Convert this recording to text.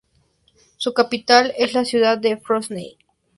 Su capital es la ciudad de Frosinone.